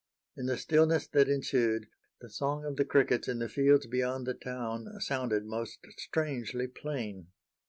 In the stillness that ensued the song of the crickets in the fields beyond the town sounded most strangely plain.